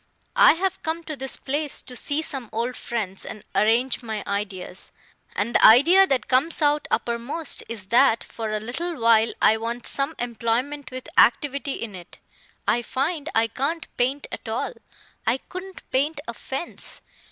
I have come to this place to see some old friends and arrange my ideas, and the idea that comes out upper most is that for a little while I want some employment with activity in it. I find I can't paint at all; I couldn't paint a fence.